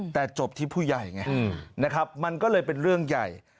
แต่จบที่ผู้ใหญ่ไงนะครับมันก็เลยเป็นเรื่องใหญ่